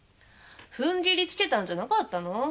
ふんぎりつけたんじゃなかったの？